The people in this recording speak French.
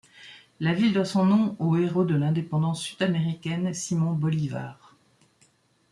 La ville doit son nom au héros de l'indépendance sud-américaine Simón Bolívar.